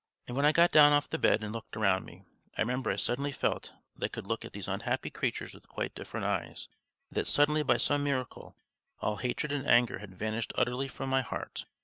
And when I got down off the bed and looked around me, I remember I suddenly felt that I could look at these unhappy creatures with quite different eyes, and that suddenly by some miracle all hatred and anger had vanished utterly from my heart.